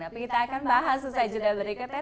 tapi kita akan bahas selesai juga berikutnya